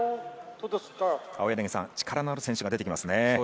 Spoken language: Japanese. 青柳さん、力のある選手が出てきますね。